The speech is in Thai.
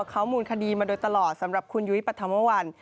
เขามูลคดีมาโดยตลอดสำหรับคุณยุ้ยปฐมวัล